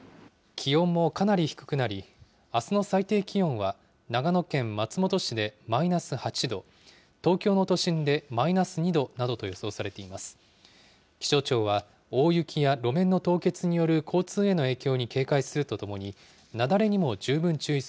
気温もかなり低くなり、あすの最低気温は、長野県松本市でマイナス８度、東京の都心でマイナス２度などと予想されています。